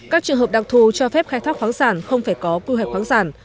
các trường hợp đặc thù cho phép khai thác khoáng sản không phải có quy hoạch khoáng sản